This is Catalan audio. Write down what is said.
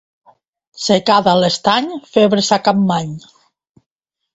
Secada a l'Estany, febres a Capmany.